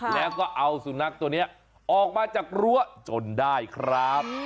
แล้วก็เอาสุนัขตัวนี้ออกมาจากรั้วจนได้ครับ